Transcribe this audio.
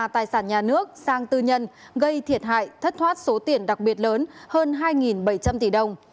tài sản nhà nước sang tư nhân gây thiệt hại thất thoát số tiền đặc biệt lớn hơn hai bảy trăm linh tỷ đồng